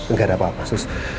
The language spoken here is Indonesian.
nggak ada apa apa sih